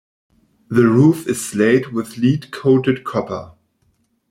The roof is slate with lead-coated copper.